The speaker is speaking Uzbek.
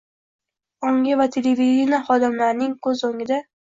ongi esa televideniye xodimlarining ko‘z o‘ngida